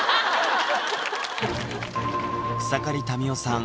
草刈民代さん